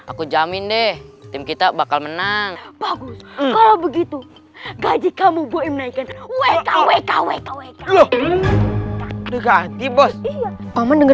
aku jamin deh tim kita bakal menang bagus kalau begitu gaji kamu ancient webk websender